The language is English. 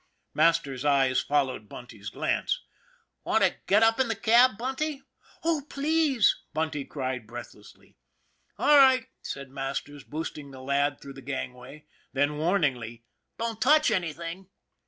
Masters' eyes followed Bunty's glance. " Want to get up in the cab, Bunty ?"" Oh, please !" Bunty cried breathlessly. " All right," said Masters, boosting the lad through the gangway. Then warningly :" Don't touch any thing."